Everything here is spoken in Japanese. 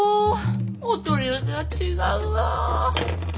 お取り寄せは違うわ。